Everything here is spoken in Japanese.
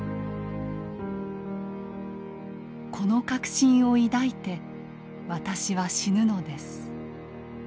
「この確信を抱いて私は死ぬのです。